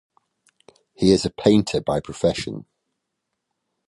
He is a painter by profession.